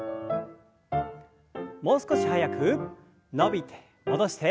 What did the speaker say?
もう少し速く伸びて戻して。